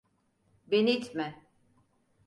Beni itme!